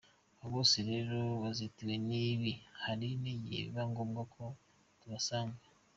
Aba bose rero bazitiwe nibi hari igihe biba ngombwa ko tubasanga.